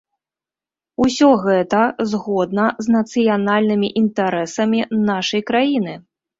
Усё гэта згодна з нацыянальнымі інтарэсамі нашай краіны!